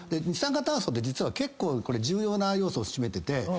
二酸化炭素って実は結構重要な要素を占めてて。